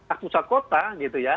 akusah kota gitu ya